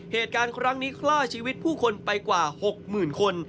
เหตุการณ์คล้างนี้คล่าชีวิตผู้คนไปกว่า๖หมื่นคน